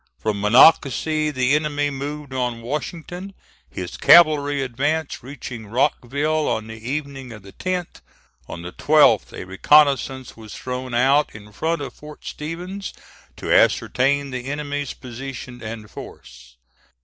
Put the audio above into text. From Monocacy the enemy moved on Washington, his cavalry advance reaching Rockville on the evening of the 10th. On the 12th a reconnoissance was thrown out in front of Fort Stevens, to ascertain the enemy's position and force.